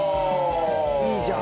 いいじゃん！